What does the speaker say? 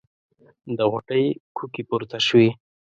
د غوټۍ کوکې پورته شوې.